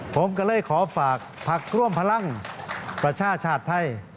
ผมก็เลยขอฝากพักร่วมพลังประชาชาติไทย